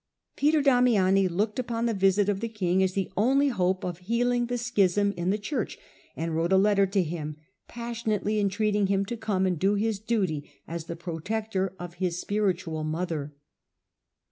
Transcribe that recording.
Peter Damiani looked upon the visit of the king as the only hope of healing the schism in the Church, and wrote a letter to him passionately entreat ing him to come and do his duty as the protector of his spiritual mother.